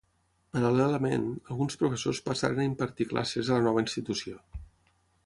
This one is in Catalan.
Paral·lelament, alguns professors passaren a impartir classes a la nova institució.